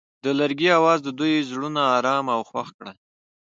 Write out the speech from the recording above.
د لرګی اواز د دوی زړونه ارامه او خوښ کړل.